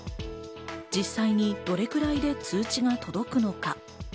実際にどれくらいで通知が届くのか。